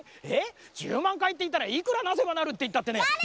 えっ１０まんかいっていったらいくらなせばなるっていったってね。